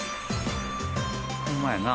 ホンマやな。